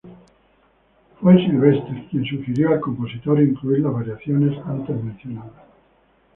Fue Sylvester quien sugirió al compositor incluir las variaciones antes mencionadas.